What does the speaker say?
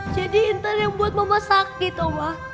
jadi intan yang membuat mama sakit oma